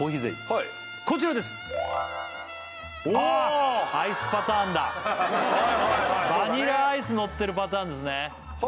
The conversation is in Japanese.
はいはいそうだねバニラアイスのってるパターンですね